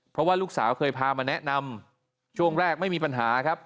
เพราะว่าลูกสาวเคยพามาแนะนำช่วงแรกไม่มีปัญหาครับ